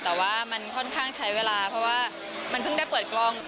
แต่ว่ามันค่อนข้างใช้เวลาเพราะว่ามันเพิ่งได้เปิดกล้อง